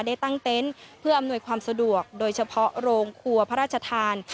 ได้ตั้งเต็นต์เพื่ออำนวยความสะดวกโดยเฉพาะโรงครัวพระราชทาน